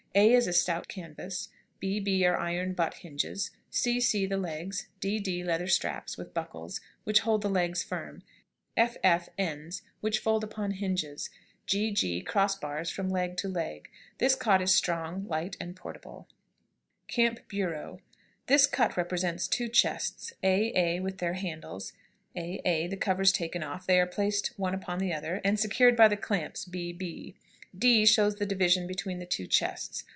A is a stout canvas; b, b are iron butt hinges; c, c, the legs; d, d, leather straps, with buckles, which hold the legs firm; f, f, ends, which fold upon hinges; g, g, cross bars from leg to leg. This cot is strong, light, and portable. [Illustration: CAMP BUREAU.] CAMP BUREAU. This cut represents two chests, A, A, with their handles, a, a; the covers taken off, they are placed one upon the other, and secured by the clamps B, B; d shows the division between the two chests.